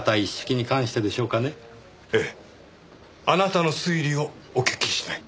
あなたの推理をお聞きしたい。